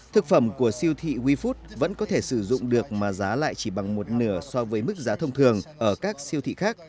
thực phẩm của siêu thị wefood vẫn có thể sử dụng được mà giá lại chỉ bằng một nửa so với mức giá thông thường ở các siêu thị khác